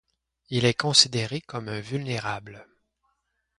Il est considéré comme vulnérable.